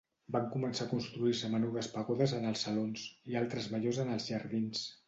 Van començar a construir-se menudes pagodes en els salons, i altres majors en els jardins.